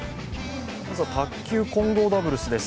まずは卓球・混合ダブルスです。